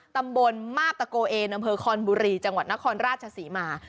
ตำบลมาบตะโกเอนอำเภอคอนบุรีจังหวัดนครราชศรีมา